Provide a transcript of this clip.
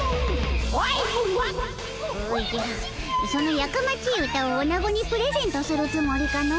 おじゃそのやかまちい歌をおなごにプレゼントするつもりかの？